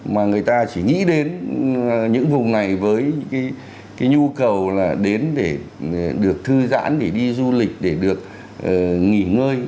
mà người ta chỉ nghĩ đến những vùng này với những cái nhu cầu là đến để được thư giãn để đi du lịch để được nghỉ ngơi